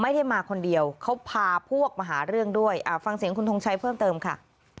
ไม่ได้มาคนเดียวเขาพาพวกมาหาเรื่องด้วยฟังเสียงคุณทงชัยเพิ่มเติมค่ะ